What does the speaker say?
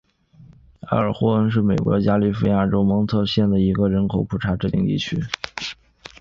埃尔克霍恩是位于美国加利福尼亚州蒙特雷县的一个人口普查指定地区。